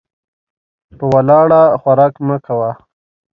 په ولاړه خوراک مه کوه .